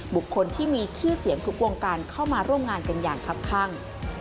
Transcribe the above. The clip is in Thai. บุคคลที่มีชื่อเสียงทุกวงการเข้ามาร่วมงานกันอย่างครับข้าง